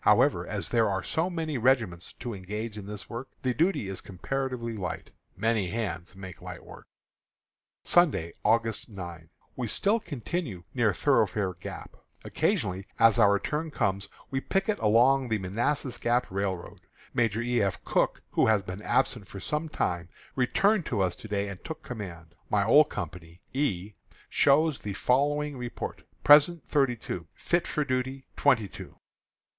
However, as there are so many regiments to engage in this work, the duty is comparatively light. "Many hands make light work." Sunday, August 9. We still continue near Thoroughfare Gap. Occasionally, as our turn comes, we picket along the Manassas Gap Railroad. Major E. F. Cooke, who has been absent for some time, returned to us to day and took command. My old company, E, shows the following report: Present, thirty two; fit for duty, twenty two.